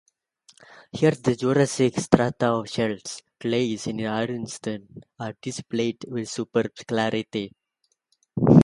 Here the Jurassic strata of shales, clays and ironstones are displayed with superb clarity.